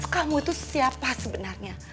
kamu tuh siapa sebenarnya